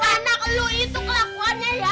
anak lo itu kelakuannya ya